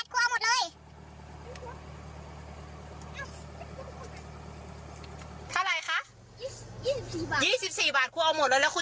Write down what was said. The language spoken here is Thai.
กี่บาทคุณเอาหมดเลย